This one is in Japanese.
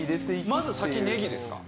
まず先ねぎですか？